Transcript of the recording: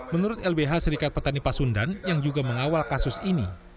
menurut lbh serikat petani pasundan yang juga mengawal kasus ini